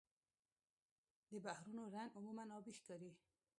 د بحرونو رنګ عموماً آبي ښکاري.